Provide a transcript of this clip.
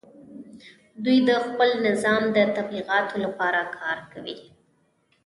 دوی د خپل نظام د تبلیغاتو لپاره کار کوي